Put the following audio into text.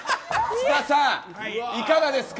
津田さん、いかがですか？